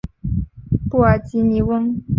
布尔吉尼翁。